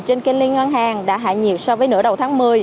trên kênh liên ngân hàng đã hạ nhiệt so với nửa đầu tháng một mươi